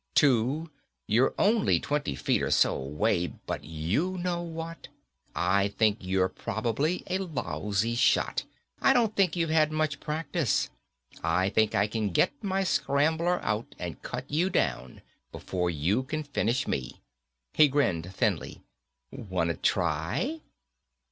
Two you're only twenty feet or so away, but you know what? I think you're probably a lousy shot. I don't think you've had much practice. I think I can get my scrambler out and cut you down before you can finish me." He grinned thinly, "Wanta try?"